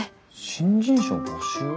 新人賞募集？